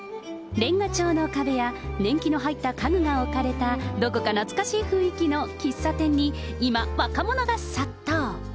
れんが調の壁や、年季の入った家具が置かれた、どこか懐かしい雰囲気の喫茶店に今、若者が殺到。